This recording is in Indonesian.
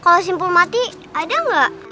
kalau simpul mati ada nggak